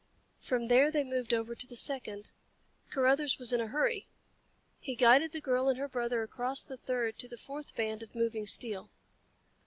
From there they moved over to the second. Carruthers was in a hurry. He guided the girl and her brother across the third to the fourth band of moving steel.